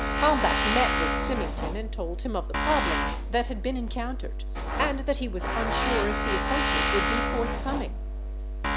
Kalmbach met with Symington and told him of the problems that had been encountered and that he was unsure if the appointment would be forthcoming.